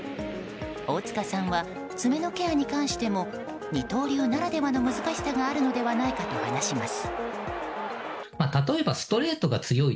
大塚さんは、爪のケアに関しても二刀流ならではの難しさがあるのではないかと話します。